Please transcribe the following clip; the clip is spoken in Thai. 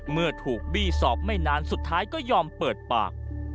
เมื่อถูกบี้สอบไม่นานสุดท้ายก็ยอมเปิดปาก